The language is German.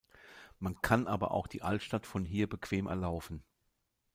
Man kann aber auch die Altstadt von hier bequem erlaufen.